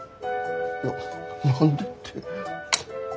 いや何でって。